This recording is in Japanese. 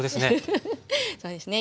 そうですね。